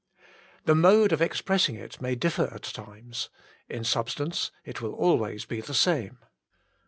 The mode of expressing it may differ at different times, in substance it will always be the same.